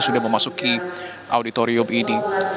sudah memasuki auditorium ini